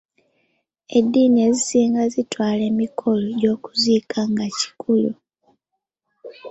Eddiini ezisinga zitwala emikolo gy'okuziika nga kikulu.